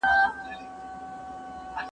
صدقه بلاګانې لیرې کوي.